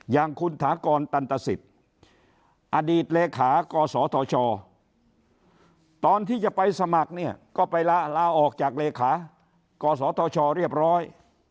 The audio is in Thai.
อย่างคุณถากรตันตสิทธิ์อดีตเลขากศธชตอนที่จะไปสมัครเนี่ยก็ไปลาออกจากเลขากศธชเรียบร้อย